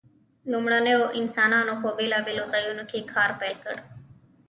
لومړنیو انسانانو په بیلابیلو ځایونو کې کار پیل کړ.